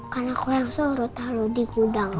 karena aku yang suruh taruh di gudang